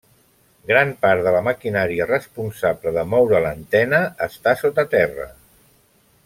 Gran part de la maquinària responsable de moure l'antena està sota terra.